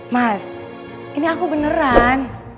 mas ini aku beneran